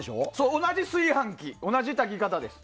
同じ炊飯器、同じ炊き方です。